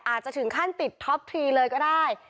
อาจจะถึงขั้นติดท็อปทรีเลยก็ได้